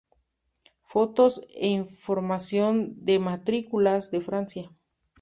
Fotos e información de matrículas de Francia